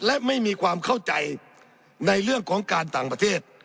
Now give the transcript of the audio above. และไม่มีความเข้าใจในเรื่องของการต่างประเทศ